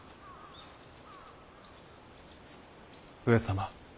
上様。